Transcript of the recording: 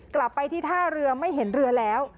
กลับไปที่ท่าเรือไม่เห็นเรือแล้ว